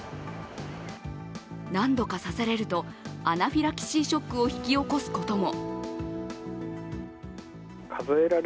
何度か刺されると、アナフィラキシーショックを引き起こすことも。